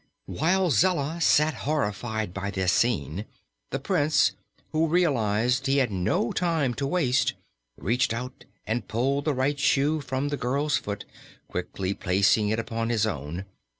While Zella sat horrified by this scene, the Prince, who realized he had no time to waste, reached out and pulled the right shoe from the girl's foot, quickly placing it upon his own.